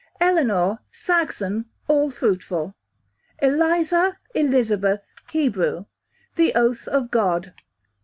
Eleanor, Saxon, all fruitful. Eliza/Elizabeth, Hebrew, the oath of God.